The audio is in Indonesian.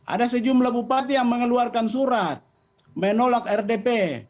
ada sejumlah bupati yang mengeluarkan surat menolak rdp